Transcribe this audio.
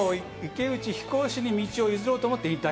池内飛行士に道を譲ろうと思